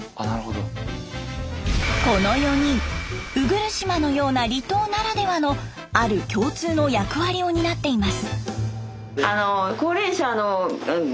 この４人鵜来島のような離島ならではのある共通の役割を担っています。